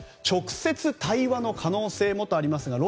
直接対話の可能性もとあります。